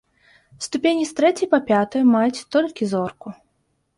Ступені з трэцяй па пятую маюць толькі зорку.